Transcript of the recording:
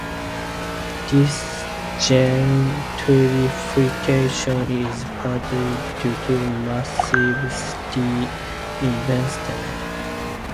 This gentrification is partly due to massive city investment.